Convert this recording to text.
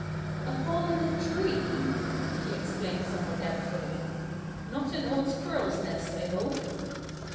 "A hole in a tree!" she exclaimed somewhat doubtfully. "Not an old squirrel's nest, I hope?"